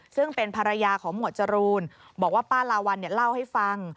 ซึ่งเป็นภรรยาของหมวดจรูนบอกว่าป้าลาวัลเล่าให้ฟัง